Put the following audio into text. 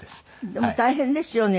でも大変ですよね